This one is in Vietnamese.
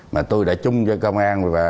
mà tôi đã chung với công an